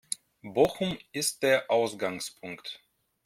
Bochum ist der Ausgangspunkt.